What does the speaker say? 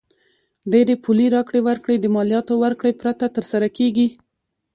ډېری پولي راکړې ورکړې د مالیاتو ورکړې پرته تر سره کیږي.